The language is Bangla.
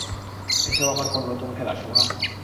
এসব আবার কোন নতুন খেলা শোভা?